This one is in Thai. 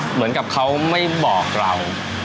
เหมือนกับเขาไม่บอกเรา